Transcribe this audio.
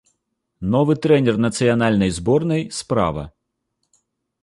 Новы трэнер нацыянальнай зборнай справа.